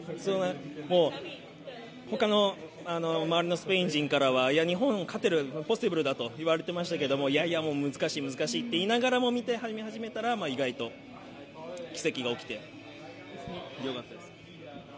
他の周りのスペイン人からは日本勝てる、ポッシブルだと言われていましたけれどもいやいやもう難しい、難しいと言いながらも見始めたら意外と奇跡が起きて、よかったです